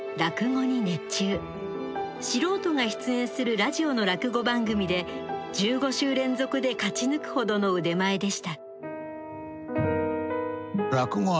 素人が出演するラジオの落語番組で１５週連続で勝ち抜くほどの腕前でした。